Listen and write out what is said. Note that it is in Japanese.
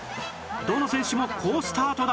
どの選手も好スタートだ！